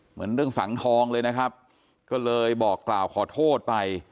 เหมือนเรื่องสังทองเลยนะครับก็เลยบอกกล่าวขอโทษไป